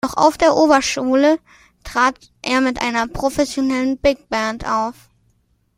Noch auf der Oberschule trat er mit einer professionellen Big Band auf.